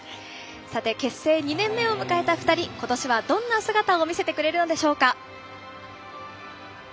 結成２年目を迎えた２人ことしはどんな姿を見せてくれるのでしょうか。